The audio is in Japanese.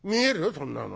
そんなの。